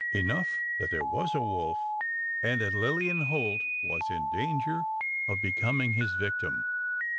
Enough that there was a wolf; and that Lilian Holt was in danger of becoming his victim!